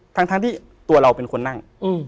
ทั้งที่ตัวเราเป็นคนนั่ง